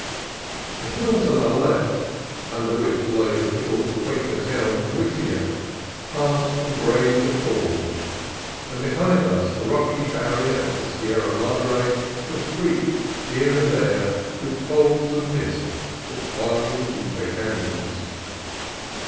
The hills on our left, under which lay the little Quaker town of Whittier, passed from gray to fawn, and behind us the rocky barrier of the Sierra Madre was streaked here and there with folds of mist that clung in the deeper canons.